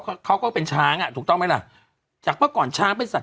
ค่ะเขาก็เป็นช้างอ่ะถูกต้องไหมล่ะจากประกอบช้างเป็นสัตว์